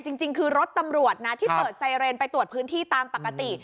จริงคือรถตำรวจนะที่เปิดไซเรนไปตรวจพื้นที่ตามปกติ